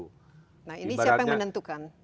nah ini siapa yang menentukan